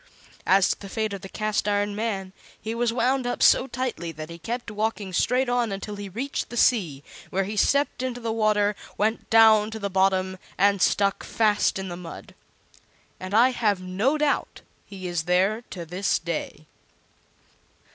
As to the fate of the Cast iron Man, he was wound up so tightly that he kept walking straight on until he reached the sea, where he stepped into the water, went down to the bottom, and stuck fast in the mud. And I have no doubt he is there to this day.